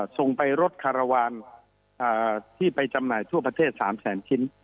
ส่งไปรถคารวาลที่ไปจำหน่ายทั่วประเทศ๓แสนชิ้น